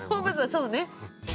◆そうね。